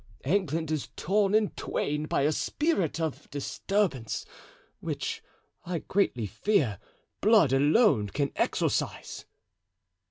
England is torn in twain by a spirit of disturbance which, I greatly fear, blood alone can exorcise."